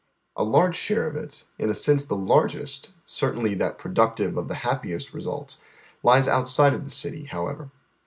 A large share of it, in a sense the largest, certainly that productive of the happiest results, lies outside of the city, however.